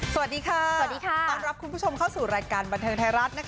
สวัสดีค่ะต้อนรับคุณผู้ชมเข้าสู่บันเทรไทยรัตน์